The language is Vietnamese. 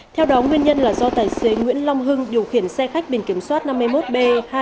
theo đó nguyên nhân là do tài xế nguyễn long hưng điều khiển xe khách biển kiểm soát năm mươi một b hai mươi nghìn bảy trăm bốn mươi tám